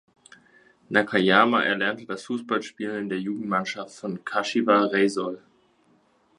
Nakayama erlernte das Fußballspielen in der Jugendmannschaft von Kashiwa Reysol.